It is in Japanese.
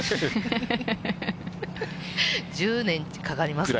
１０年かかりますね。